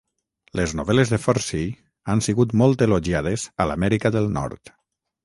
Les novel·les de Fursey han sigut molt elogiades a l'Amèrica del Nord.